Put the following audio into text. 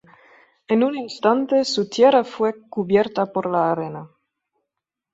En un instante su tierra fue cubierta por la arena.